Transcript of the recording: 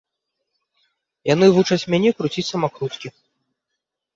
Яны вучаць мяне круціць самакруткі.